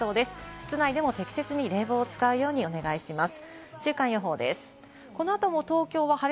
室内でも適切に冷房を使うようにお願いします。